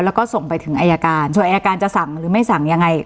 แล้วก็ส่งไปถึงอายการส่วนอายการจะสั่งหรือไม่สั่งยังไง